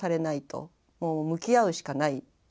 もう向き合うしかない。